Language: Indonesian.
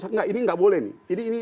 nggak ini nggak boleh nih